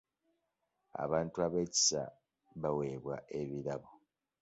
Abantu ab'ekisa bawebwa ebirabo.